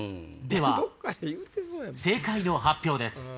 では正解の発表です。